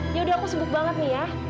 ya udah aku sebut banget nih ya